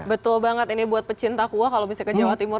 betul banget ini buat pecinta kuah kalau misalnya ke jawa timur